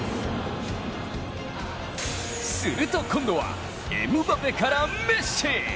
すると今度はエムバペからメッシ！